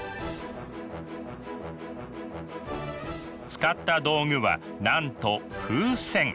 使った道具はなんと風船。